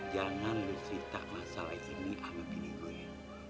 jangan lo cerita masalah ini sama pini gue